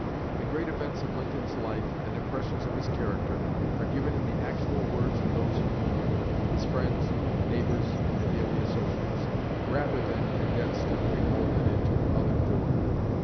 The great events of Lincoln's life, and impressions of his character, are given in the actual words of those who knew him his friends, neighbors, and daily associates rather than condensed and remolded into other form.